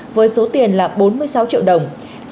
với số tiền là bốn mươi sáu triệu đồng